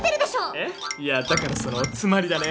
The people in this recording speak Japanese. えっいやだからそのつまりだね。